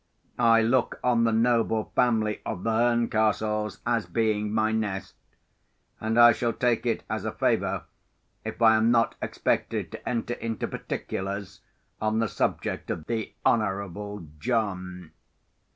I look on the noble family of the Herncastles as being my nest; and I shall take it as a favour if I am not expected to enter into particulars on the subject of the Honourable John.